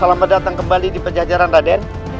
selamat datang kembali di pejajaran raden